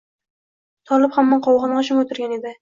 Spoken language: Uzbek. Tolib hamon qovog‘ini ochmay o‘tirgan edi